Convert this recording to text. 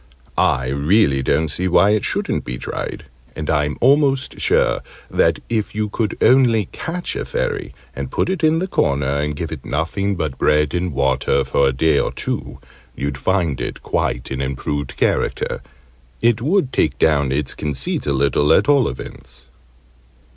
I really don't see why it shouldn't be tried, and I'm almost sure that, if you could only catch a Fairy, and put it in the corner, and give it nothing but bread and water for a day or two, you'd find it quite an improved character it would take down its conceit a little, at all events.